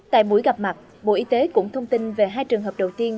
tại buổi gặp mặt bộ y tế cũng thông tin về hai trường hợp đầu tiên